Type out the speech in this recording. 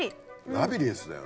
ラビリンスだよね。